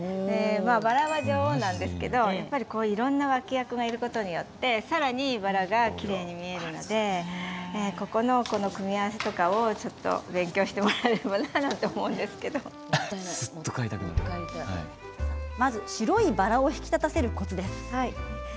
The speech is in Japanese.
バラは女王なんですけどやっぱり、こういういろんな脇役がいることによってさらにバラがきれいに見えるのでここの、この組み合わせとかをちょっと勉強してもらえればなまず白いバラを引き立たせるコツです。